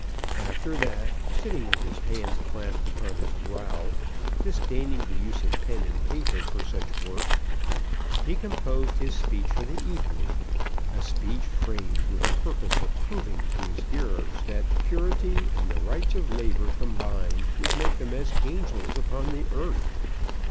After that, sitting with his hands clasped upon his brow, disdaining the use of pen and paper for such work, he composed his speech for the evening, a speech framed with the purpose of proving to his hearers that Purity and the Rights of Labour combined would make them as angels upon the earth.